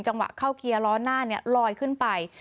จังหวะเข้าเกียร์ล้อหน้าลอยขึ้นไป